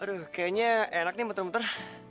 aduh kayaknya enak nih muter muter